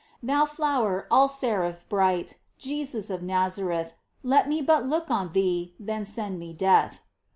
Thou Flower all seraph bright, Jesus of Nazareth ! Let me but look on Thee, Then send me death